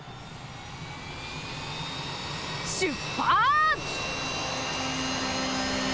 しゅっぱつ！